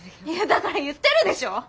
いやだから言ってるでしょ！